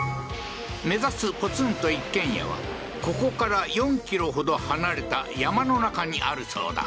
目指すポツンと一軒家は、ここから４キロほど離れた山の中にあるそうだ。